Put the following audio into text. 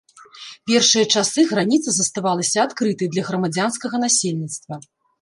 Першыя часы граніца заставалася адкрытай для грамадзянскага насельніцтва.